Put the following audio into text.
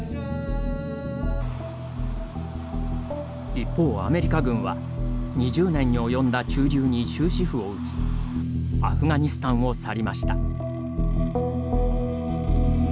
一方アメリカ軍は２０年におよんだ駐留に終止符を打ちアフガニスタンを去りました。